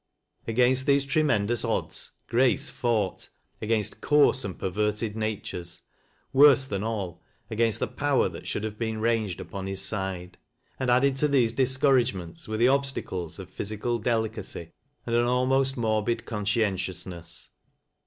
Against these tremendt us odds Grace fought — against coarse and perverted natures, —worse than all, against the power that should have been ranged upon his side. And added to these discourage ments, were the obstacles of physical delicacy, and an al most morbid conscientiousness.